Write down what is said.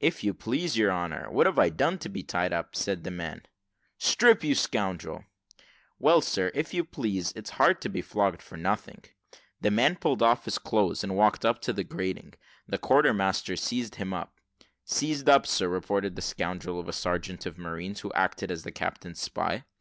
"If you please, your honour, what have I done to be tied up?" said the man. "Strip, you scoundrel!" "Well, sir, if you please, it's hard to be flogged for nothing." The man pulled off his clothes, and walked up to the grating. The quarter masters seized him up. "Seized up, sir," reported the scoundrel of a sergeant of marines, who acted as the captain's spy.